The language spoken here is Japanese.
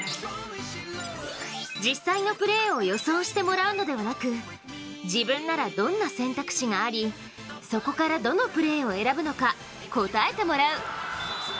実際のプレーを予想してもらうのではなく自分ならどんな選択肢があり、そこからどのプレーを選ぶのか答えてもらう。